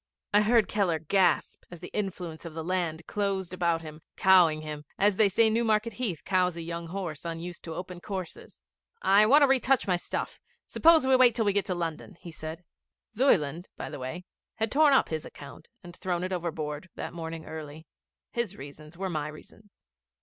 I heard Keller gasp as the influence of the land closed about him, cowing him as they say Newmarket Heath cows a young horse unused to open courses. 'I want to retouch my stuff. Suppose we wait till we get to London?' he said. Zuyland, by the way, had torn up his account and thrown it overboard that morning early. His reasons were my reasons.